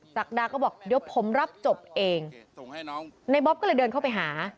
ศักดาก็บอกเดี๋ยวผมรับจบเองในบ๊อบก็เลยเดินเข้าไปหา